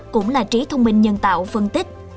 cũng là trí thông minh nhân tạo phân tích